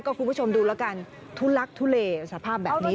คุณผู้ชมดูแล้วกันทุลักทุเลสภาพแบบนี้